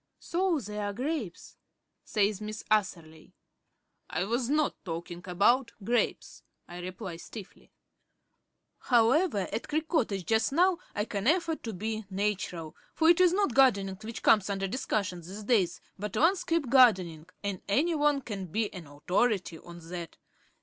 "So there are grapes," says Miss Atherley. "I was not talking about grapes," I reply stiffly. However at Creek Cottage just now I can afford to be natural; for it is not gardening which comes under discussion these days, but landscape gardening, and any one can be an authority on that.